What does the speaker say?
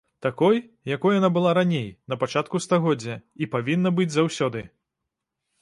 Такой, якой яна была раней, на пачатку стагоддзя, і павінна быць заўсёды.